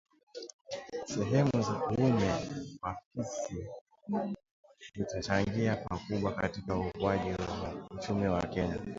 sehemu za uume wa fisi vitachangia pakubwa katika ukuaji wa uchumi wa Kenya